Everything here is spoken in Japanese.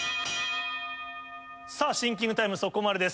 シンキングタイムそこまでです。